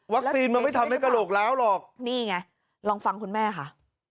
มันไม่ทำให้กระโหลกล้าวหรอกนี่ไงลองฟังคุณแม่ค่ะ